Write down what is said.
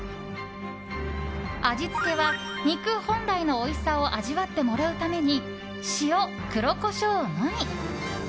味付けは、肉本来のおいしさを味わってもらうために塩、黒コショウのみ。